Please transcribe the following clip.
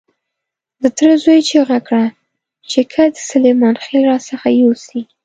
د تره زوی چیغه کړه چې که دې سلیمان خېل را څخه يوسي.